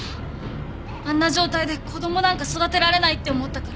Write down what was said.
あんな状態で子供なんか育てられないって思ったから。